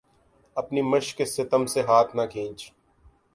اپنی مشقِ ستم سے ہاتھ نہ کھینچ